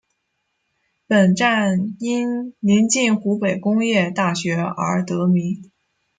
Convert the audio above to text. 本站因临近湖北工业大学而得名。